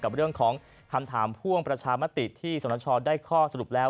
กับเรื่องของคำถามพ่วงประชามติที่สนชได้ข้อสรุปแล้ว